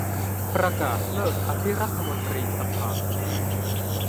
ประกาศเลิกอภิรัฐมนตรีสภา